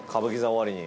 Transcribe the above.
終わりに。